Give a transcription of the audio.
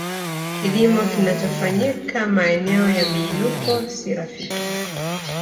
Kilimo kinachofanyika maeneo ya miinuko si rafiki